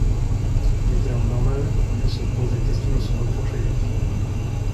Il est alors normal que se pose la question de son retour chez lui.